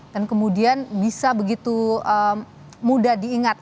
kemudian bisa begitu mudah diingat